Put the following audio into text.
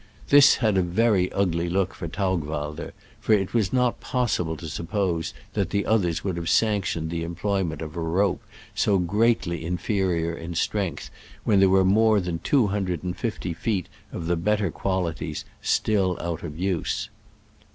This had a very ugly look for Taugwald er, for it was not possible to sup pose that the others would have sanctioned the employment of a rope so greatly inferior in strength when there were more than two hundred and fifty feet of the better qualities still out of use.